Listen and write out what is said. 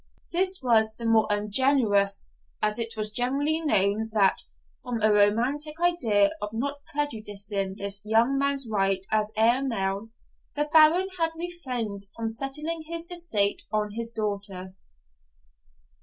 This was the more ungenerous, as it was generally known that, from a romantic idea of not prejudicing this young man's right as heir male, the Baron had refrained from settling his estate on his daughter.